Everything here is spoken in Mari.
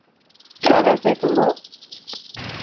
— Кагазет уло?